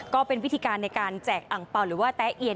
ก็เป็นวิธีการในการแจกอังเปล่าหรือว่าแต๊เอียน